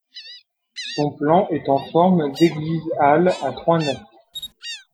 Son plan est en forme d'église-halle à trois nefs.